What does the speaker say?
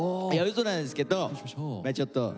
うそなんですけどちょっと。